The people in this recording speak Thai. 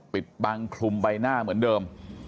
ปิดบังคลุมใบหน้าเหมือนเดิม